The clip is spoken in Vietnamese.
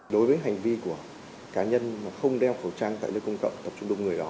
nói chung là hành vi của cá nhân không đeo khẩu trang tại nơi công cộng tập trung đông người đó